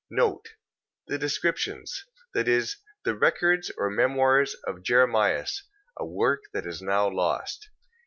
The descriptions... That is, the records or memoirs of Jeremias, a work that is now lost.